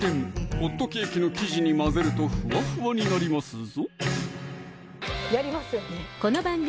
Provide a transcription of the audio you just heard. ホットケーキの生地に混ぜるとふわふわになりますぞ